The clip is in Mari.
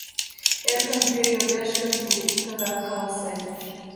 Эргым, кӧ йодеш гын, тыгак каласет.